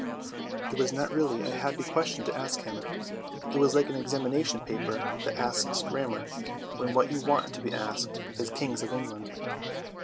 It was not really a happy question to ask him; it was like an examination paper that asks grammar, when what you want to be asked is Kings of England.